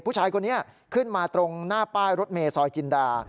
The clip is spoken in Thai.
ผู้ชายคนนี้ขึ้นมาตรงหน้าป้ายรถเมย์ซอยจินดา